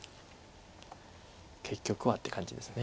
「結局は」って感じです。